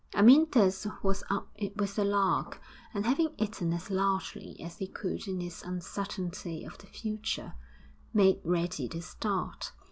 Amyntas was up with the lark, and having eaten as largely as he could in his uncertainty of the future, made ready to start.